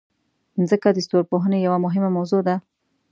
مځکه د ستورپوهنې یوه مهمه موضوع ده.